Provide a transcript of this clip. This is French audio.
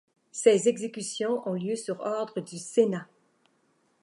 Ces exécutions ont lieu sur ordre du Sénat.